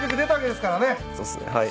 そうっすねはい。